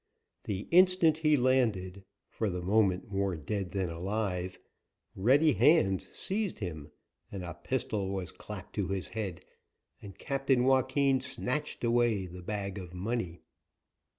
The instant he landed, for the moment more dead than alive, ready hands seized him and a pistol was clapped to his head, and Captain Joaquin snatched away the bag of money.